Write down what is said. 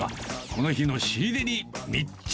この日の仕入れに密着。